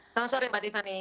selamat sore mbak tiffany